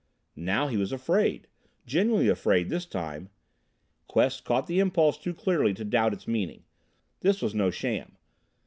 Now he was afraid! Genuinely afraid, this time. Quest caught the impulse too clearly to doubt its meaning. This was no sham!